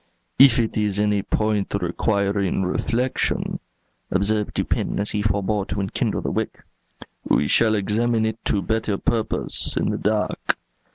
"If it is any point requiring reflection," observed Dupin, as he forbore to enkindle the wick, "we shall examine it to better purpose in the dark."